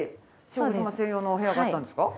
将軍様専用のお部屋があったんですか？